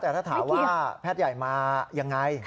แต่ถ้าถามว่าแพทย์ใหญ่มายังไง